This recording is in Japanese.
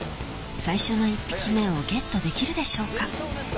最初の１匹目をＧＥＴできるでしょうか？